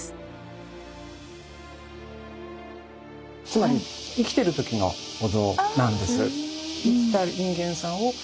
つまり生きてる時のお像なんです。